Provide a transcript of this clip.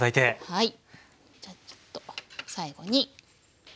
はい。